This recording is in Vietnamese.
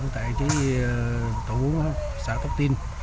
tại tổ quốc xã tóc tinh